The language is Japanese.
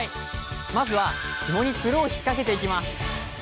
まずはひもにつるを引っ掛けていきます